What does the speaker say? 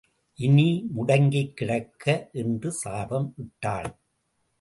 இனி முடங்கிக் கிடக்க என்று சாபம் இட்டாள்.